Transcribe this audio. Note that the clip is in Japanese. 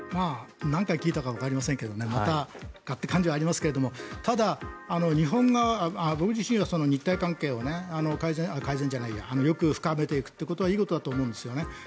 何回聞いたかわかりませんけどまたかって感じはありますがただ、日本側僕自身は日台関係をよく深めていくということはいいことだと思うんですね。